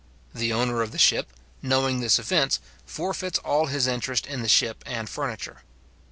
The owner of the ship, knowing this offence, forfeits all his interest in the ship and furniture.